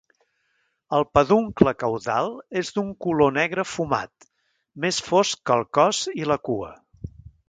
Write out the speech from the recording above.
El peduncle caudal és d'un color negre fumat, més fosc que el cos i la cua.